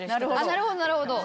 なるほどなるほど。